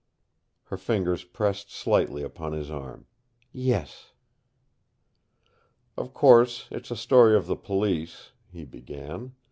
Her fingers pressed slightly upon his arm. "Yes." "Of course, it's a story of the Police," he began.